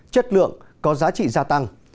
chất lượng có giá trị gia tăng